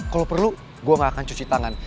kalau perlu gue gak akan cuci tangan